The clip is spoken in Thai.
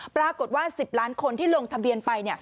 ปรากฏว่า๑๐ล้านคนที่ลงทะเบียนไป